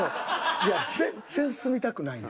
いや全然住みたくないな。